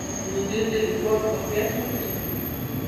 مدیر د لیکوال هویت نه پیژني.